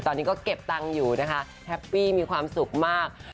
ตอนนี้ก็เก็บตังค์อยู่นะคะแฮปปี้มีความสุขมาก